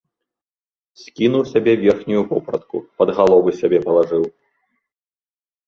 Скінуў з сябе верхнюю вопратку, пад галовы сабе палажыў.